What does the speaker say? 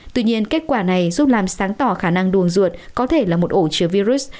tuy nhiên kết quả này giúp làm sáng tỏ khả năng buồn ruột có thể là một ổ chứa virus